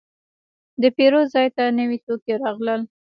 د پیرود ځای ته نوي توکي راغلل.